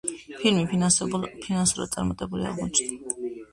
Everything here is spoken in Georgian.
ფილმი ფინანსურად წარმატებული აღმოჩნდა.